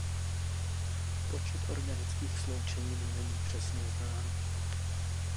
Počet organických sloučenin není přesně znám.